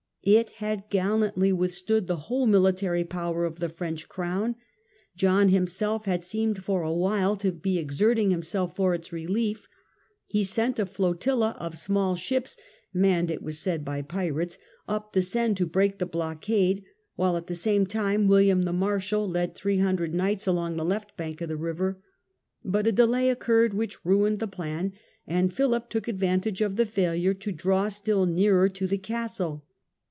It had gallantly withstood the whole military power of the French crown. John himself had seemed for a while to be exerting himself for its relief. He sent a flotilla of small ships, manned, it was said, by * pirates \ up the Seine to break the blockade, while at the same time William the Marshal led three hundred knights along the left bank of the river. But a delay occurred which ruined the plan, and Philip took advan tage of the failure to draw still nearer to the castle.